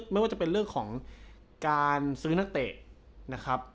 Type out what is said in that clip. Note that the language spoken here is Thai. ไม่ว่าจะเป็นเรื่องของการซื้อนักเตะนะครับ